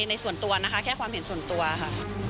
ในส่วนตัวนะคะแค่ความเห็นส่วนตัวค่ะ